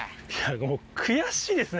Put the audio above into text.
もう悔しいですね。